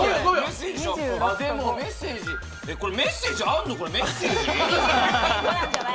これメッセージ阿あるの？